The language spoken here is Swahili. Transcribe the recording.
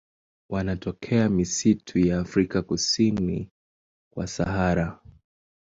Wanatokea misitu ya Afrika kusini kwa Sahara.